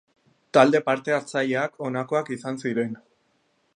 Talde parte-hartzaileak honakoak izan ziren.